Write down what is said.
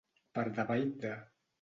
Part davall de.